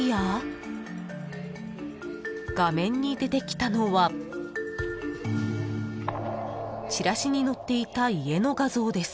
［画面に出てきたのはチラシに載っていた家の画像です］